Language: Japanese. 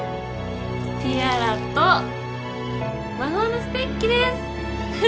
ティアラと魔法のステッキです。